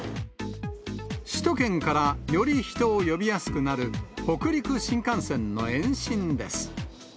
首都圏からより人を呼びやすくなる北陸新幹線の延伸です。